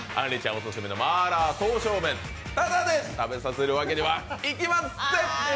オススメのマーラー刀削麺、タダで食べさせるわけにはいきません！